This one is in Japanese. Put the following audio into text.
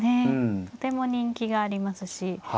とても人気がありますし。